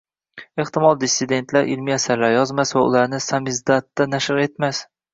Ehtimol, “dissidentlar” ilmiy asarlar yozmas va ularni “samizdat”da nashr etmas?